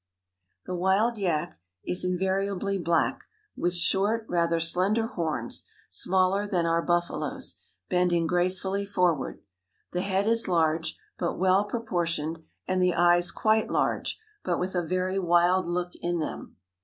The wild yak is invariably black, with short, rather slender horns (smaller than our buffalo's), bending gracefully forward. The head is large, but well proportioned, and the eyes quite large, but with a very wild look in them.